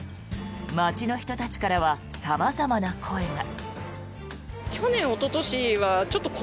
街の人たちからは様々な声が。